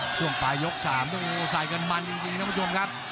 ช่วงปลายยก๓ใส่กันมันจริงท่านผู้ชมครับ